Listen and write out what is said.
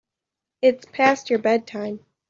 It's past your bedtime.